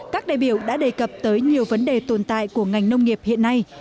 các đại biểu đã đề cập tới nhiều vấn đề tồn tại của ngành nông nghiệp hiện nay